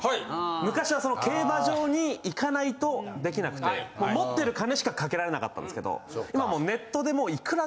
昔はその競馬場に行かないとできなくてもう持ってる金しか賭けられなかったんですけど今もう。